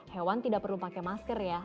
hewan tidak perlu pakai masker ya